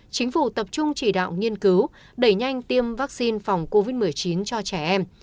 chính phủ tập trung chỉ đạo nghiên cứu đẩy nhanh tiêm vaccine phòng covid một mươi chín cho trẻ em